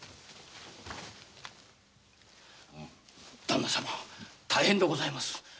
ダンナ様大変でございます。